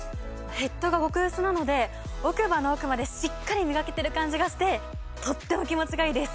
ヘッドが極薄なので奥歯の奥までしっかりみがけてる感じがしてとっても気持ちがイイです！